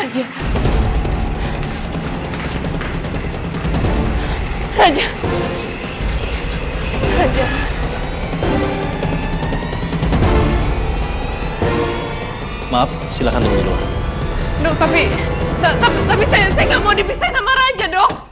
sampai jumpa di video selanjutnya